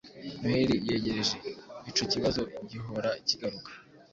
Noheli yegereje, ico kibazo gihora kigaruka.